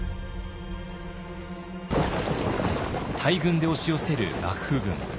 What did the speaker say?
大軍で押し寄せる幕府軍。